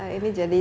ya ini jadi